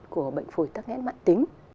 của bệnh phổi tắc nghẽn mạng tính